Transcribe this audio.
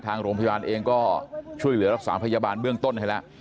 ทางโรงพยาบาลเองก็ช่วยเหลือรักษาพยาบาลเบื้องต้นให้แล้ว